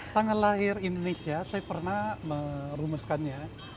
tanggal lahir indonesia saya pernah merumuskannya